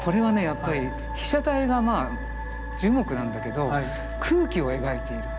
やっぱり被写体がまあ樹木なんだけど空気を描いている。